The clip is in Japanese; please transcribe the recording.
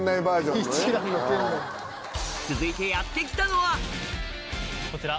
続いてやって来たのはこちら。